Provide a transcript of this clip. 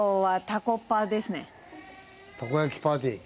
たこ焼きパーティー？